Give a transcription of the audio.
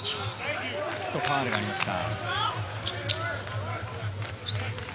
ファウルがありました。